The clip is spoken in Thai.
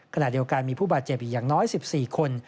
ขณะเดียวกันมีผู้บาดเจ็บอีกอย่างน้อย๑๔คน